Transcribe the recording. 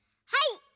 はい！